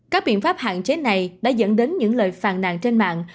các biện pháp hạn chế này đã dẫn đến những lời phàn nàn trên mạng